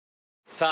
さあ